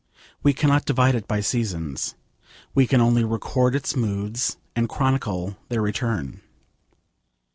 We cannot divide it by seasons. We can only record its moods, and chronicle their return.